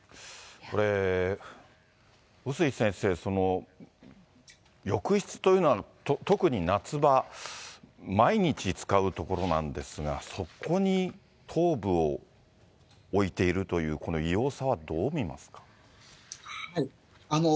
これ、碓井先生、浴室というのは、特に夏場、毎日使う所なんですが、そこに頭部を置いているという、この異様さはどう見ますか。